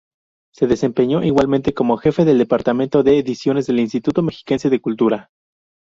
Se desempeñó igualmente como jefe del Departamento de Ediciones del Instituto Mexiquense de Cultura.